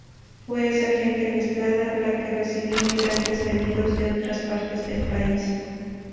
Fue esa gente mezclada la que recibió migrantes venidos de otras partes del país.